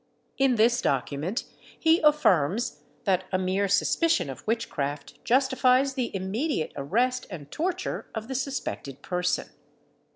In this document he affirms, that a mere suspicion of witchcraft justifies the immediate arrest and torture of the suspected person.